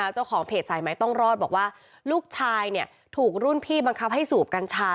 เจ้าของเพจสายไม้ต้องรอดบอกว่าลูกชายถูกรุ่นพี่บังคับให้สูบกัญชา